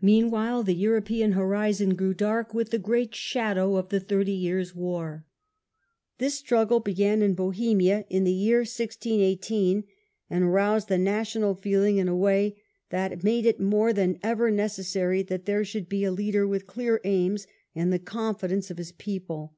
Meanwhile the European horizon grew dark with the great shadow of the Thirty Years' War. This struggle began in Bohemia in the year 1618, and Third period aroused the national feeling in a way that of the reign, made it more than ever necessary that there should be a leader with clear aims and the confidence of his people.